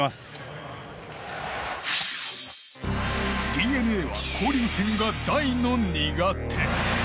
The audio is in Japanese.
ＤｅＮＡは交流戦が大の苦手。